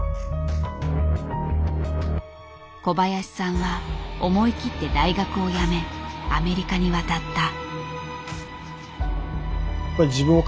小林さんは思い切って大学をやめアメリカに渡った。